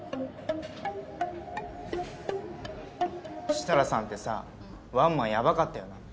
設楽さんってさワンマンやばかったよな。